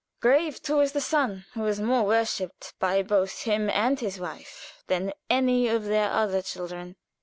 Grave too is the son who is more worshiped by both him and his wife than any of their other children.